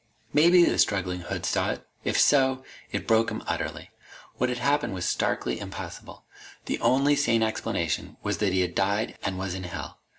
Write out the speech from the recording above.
Maybe the struggling hood saw it. If so, it broke him utterly. What had happened was starkly impossible. The only sane explanation was that he had died and was in hell.